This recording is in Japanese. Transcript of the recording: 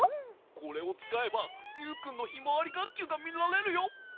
これをつかえばユウくんのひまわりがっきゅうがみられるよ。